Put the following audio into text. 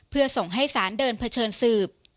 เพื่อส่งให้สารเดินเผชิญสืบ